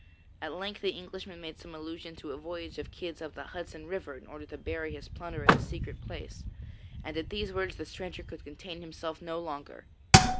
At length the Englishman made some allusion to a voyage of Kidd's up the Hudson river in order to bury his plunder in a secret place, and at these words the stranger could contain himself no longer.